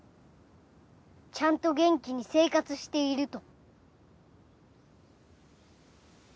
ちゃんと元気に生活していると。